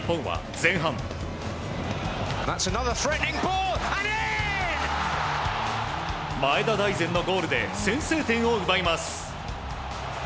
前田大然のゴールで先制点を奪います。